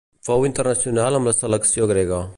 Fou internacional amb la selecció grega.